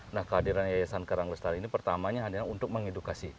nah kehadiran yayasan karanglestari ini pertamanya adalah untuk mengedukasi